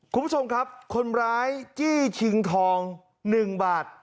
คุณผู้ชมครับคนร้ายจี้ชิงทอง๑บาท